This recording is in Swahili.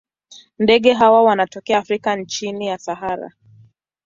Ndege hawa wanatokea Afrika chini ya Sahara.